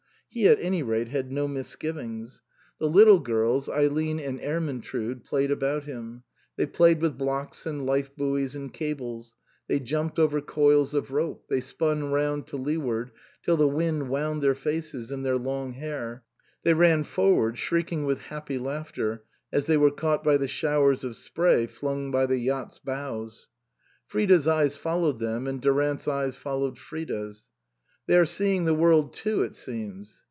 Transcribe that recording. He at any rate had no misgivings. The little girls, T.S.Q. 161 M THE COSMOPOLITAN Eileen and Ermyntrude, played about him ; they played with blocks and lifebuoys and cables, they jumped over coils of rope, they spun round to leeward till the wind wound their faces in their long hair, they ran f or'ard, shrieking with happy laughter as they were caught by the showers of spray flung from the yacht's bows. Frida's eyes followed them, and Durant's eyes followed Frida's. " They are seeing the world too, it seems."